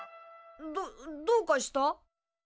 どどうかした？